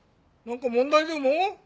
なんか問題でも？